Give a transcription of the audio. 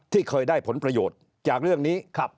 ที่เคยได้ผลประโยชน์จากเรื่องนี้